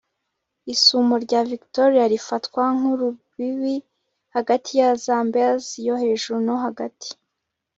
isumo rya victoria rifatwa nkurubibi hagati ya zambezi yo hejuru no hagati